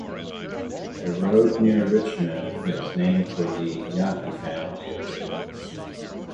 A road near Richmond is named for the Jahnke family of jewelers.